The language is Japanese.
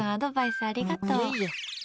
いえいえ。